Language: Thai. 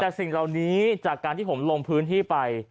แต่สิ่งเหล่านี้จากการที่ผมลงพื้นที่ไป